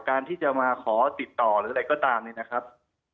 การที่จะมาขอติดต่อหรืออะไรก็ตามเนี่ยนะครับ